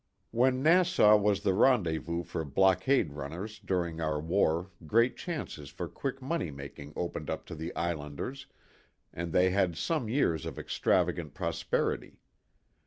When Nassau was the rendezvous for block ade runners during our war great chances for quick money making opened up to the islanders and they had some years of extravagant pros perity.